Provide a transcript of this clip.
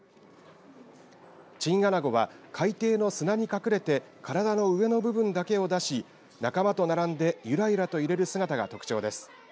チンアナゴは海底の砂に隠れて体の上の部分だけを出し仲間と並んでゆらゆらと揺れる姿が特徴です。